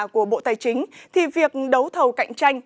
của bộ tài chính việc đấu thầu cạnh tranh